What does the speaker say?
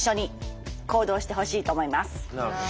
なるほど。